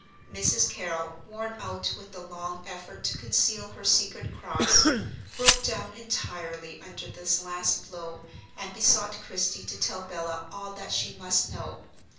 Mrs. Carrol, worn out with the long effort to conceal her secret cross, broke down entirely under this last blow, and besought Christie to tell Bella all that she must know.